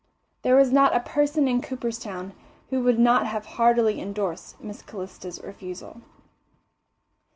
There was not a person in Cooperstown who would not have heartily endorsed Miss Calista's refusal.